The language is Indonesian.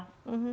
yang ini seratus